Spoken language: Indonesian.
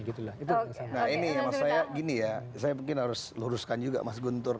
ini mas saya begini ya saya mungkin harus luruskan juga mas guntur